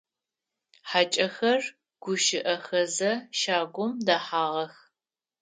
Хьакӏэхэр гущыӏэхэзэ щагум дэхьагъэх.